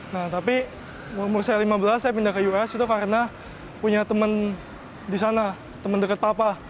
nah tapi umur saya lima belas saya pindah ke us itu karena punya teman di sana teman dekat papa